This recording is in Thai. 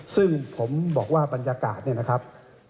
ซึ่งผมบอกว่าบรรยากาศเนี่ยนะครับ